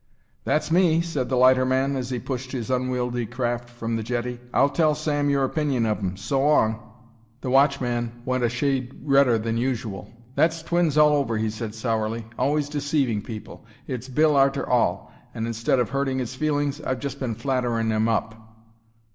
"That's me," said the lighterman, as he pushed his unwieldy craft from the jetty. "I'll tell Sam your opinion of 'im. So long." The watchman went a shade redder than usual. That's twins all over, he said, sourly, always deceiving people. It's Bill arter all, and, instead of hurting 'is feelings, I've just been flattering of 'im up.